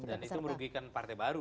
dan itu merugikan partai baru